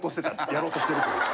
やろうとしてるというか。